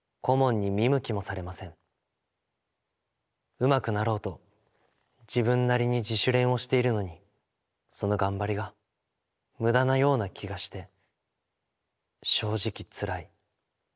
上手くなろうと自分なりに自主練をしているのにその頑張りが無駄なような気がして正直ツライ。